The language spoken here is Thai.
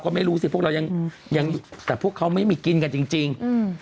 เราก็ไม่รู้สิแต่พวกเขาไม่มีกินกันจริง